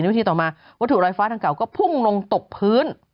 วิธีต่อมาวัตถุรอยฟ้าดังเก่าก็พุ่งลงตกพื้น